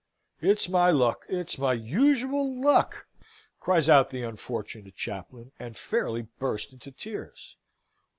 "It's my luck, it's my usual luck," cries out the unfortunate chaplain, and fairly burst into tears.